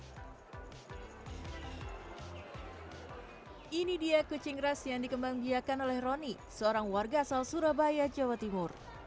hai ini dia kucing ras yang dikembanggiakan oleh roni seorang warga asal surabaya jawa timur